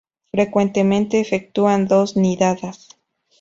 Frecuentemente efectúan dos nidadas.